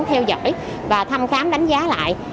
theo dõi và thăm khám đánh giá lại